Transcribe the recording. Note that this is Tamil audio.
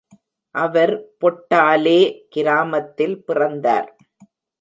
அவர் பொட்டாலே கிராமத்தில் பிறந்தார்.